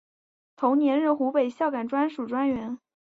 同年任湖北孝感专署专员。